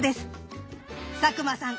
佐久間さん